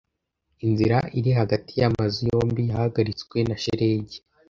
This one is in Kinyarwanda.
Inzira iri hagati yamazu yombi yahagaritswe na shelegi.